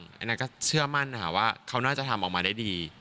แล้วก็เชื่อมั่นว่าเขาน่าจะทำออกมาได้ดี